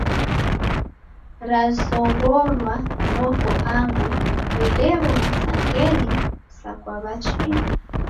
Razoghorwa noko angu ridegho masangenyi sa kwa w'achina.